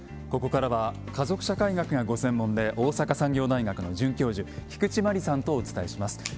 ここからは家族社会学がご専門で大阪産業大学の准教授菊地真理さんとお伝えします。